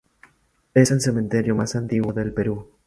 Es el cementerio más antiguo del Perú.